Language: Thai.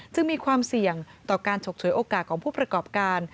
จึงมีความเสี่ยงต่อการฉกฉวยโอกาสของผู้ประกอบการ